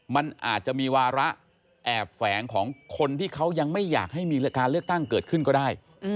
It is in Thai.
มันอาจจะมีวาระแอบแฝงของคนที่เขายังไม่อยากให้มีการเลือกตั้งเกิดขึ้นก็ได้